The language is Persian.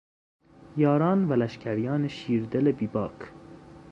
یاران و لشکریان شیردل بیباک